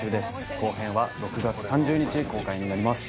後編は６月３０日公開になります